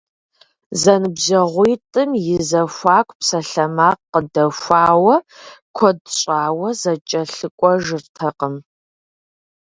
Зэныбжьэгъуитӏым я зэхуаку псалъэмакъ къыдэхуауэ, куэд щӏауэ зэкӏэлъыкӏуэжыртэкъым.